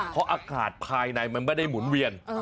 เพราะอากาศภายในมันไม่ได้หมุนเวียน